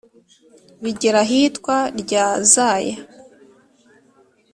Bigera ahitwa Rya Zaya